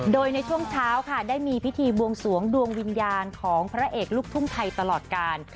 โดยในช่วงเช้าค่ะได้มีพิธีบวงสวงดวงวิญญาณของพระเอกลูกทุ่งไทยตลอดกาล